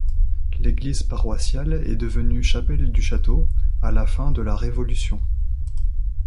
L'église paroissiale est devenue chapelle du château à la fin de la Révolution.